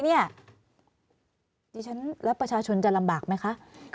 ดิฉันแล้วประชาชนจะลำบากไหมคะ